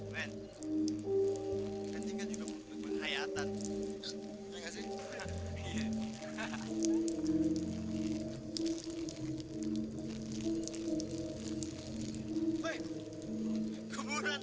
weh mau ngapain nih